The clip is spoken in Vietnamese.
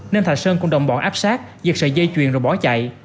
nên thạch sơn cùng đồng bọn áp sát giật sợi dây chuyền rồi bỏ chạy